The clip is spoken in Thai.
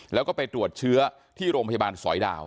แล้วก็ไปตรวจเชื้อที่โรงพยาบาลสอยดาว